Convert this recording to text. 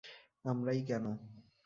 আমরাই কেন?